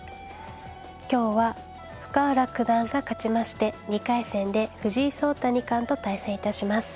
今日は深浦九段が勝ちまして２回戦で藤井聡太二冠と対戦致します。